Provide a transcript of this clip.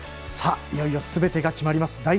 いよいよすべてが決まります